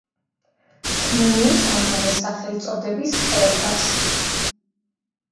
ქმნის ამავე სახელწოდების ხეობას.